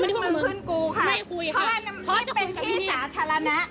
เพราะมันจะเป็นพี่สาธารณะ